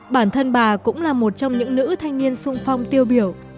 bản thân bà cũng là một trong những nữ thanh niên sung phong tiêu biểu